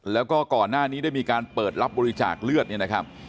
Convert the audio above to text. แล้วก็ก่อนหน้านี้ได้มีการเปิดรับบริจาคเลือดเนี่ยนะครับ